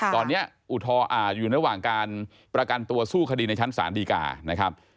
ตอนนี้อยู่ระหว่างการประกันตัวสู้คดีในชั้นศาลดีกานะครับ